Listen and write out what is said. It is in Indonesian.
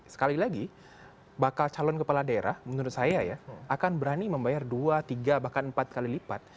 sekali lagi bakal calon kepala daerah menurut saya ya akan berani membayar dua tiga bahkan empat kali lipat